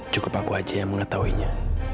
cukup aku aja yang mengetahuinya